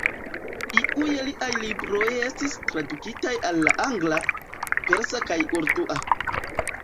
Iuj liaj libroj estis tradukitaj al angla, persa kaj urdua.